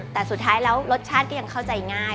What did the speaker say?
แต่สุดท้ายแล้วรสชาติก็ยังเข้าใจง่าย